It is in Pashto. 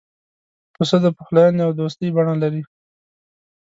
پسه د پخلاینې او دوستی بڼه لري.